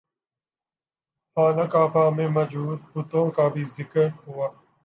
خانہ کعبہ میں موجود بتوں کا بھی ذکر ہوا